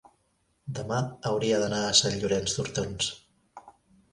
demà hauria d'anar a Sant Llorenç d'Hortons.